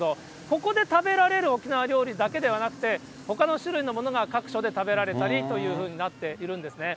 ここで食べられる沖縄料理だけではなくて、ほかの種類のものが各所で食べられたりというふうになっているんですね。